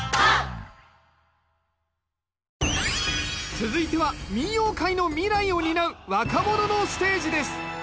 続いては民謡界の未来を担う若者のステージです！